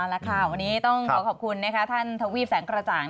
วันนี้ต้องขอขอบคุณท่านทวีพแสงกระจ่าง